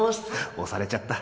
推されちゃった。